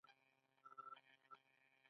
څنګه کولی شم د عمرې ویزه ترلاسه کړم